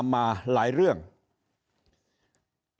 ยิ่งอาจจะมีคนเกณฑ์ไปลงเลือกตั้งล่วงหน้ากันเยอะไปหมดแบบนี้